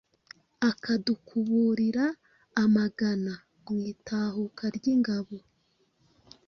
Akadukuburira amagana.mwitahuka ryingabo